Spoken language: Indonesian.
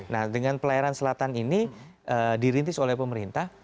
nah dengan pelayaran selatan ini dirintis oleh pemerintah